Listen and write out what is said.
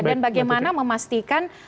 dan bagaimana memastikan